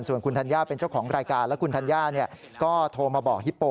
ส่วนคุณธัญญาเป็นเจ้าของรายการและคุณธัญญาก็โทรมาบอกฮิปโป